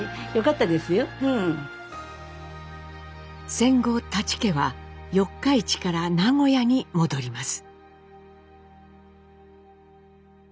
戦後舘家は四日市から名古屋に戻ります。